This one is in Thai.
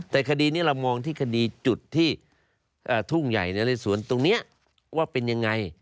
แต่คดีนี้เรามองที่คดีจุดที่ทุ่งใหญ่นะเรสวนตรงนี้ว่าเป็นยังไง